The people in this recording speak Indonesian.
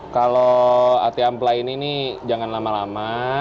kalau ati ampla ini jangan lama lama